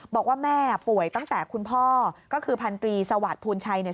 บอกว่าแม่ป่วยตั้งแต่คุณพ่อก็คือพันตรีสวัสดิภูลชัยเนี่ย